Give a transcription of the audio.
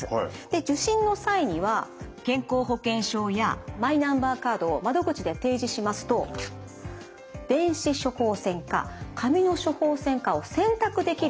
受診の際には健康保険証やマイナンバーカードを窓口で提示しますと電子処方箋か紙の処方箋かを選択できるようになっているんですね。